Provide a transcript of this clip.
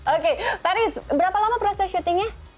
oke tari berapa lama proses syutingnya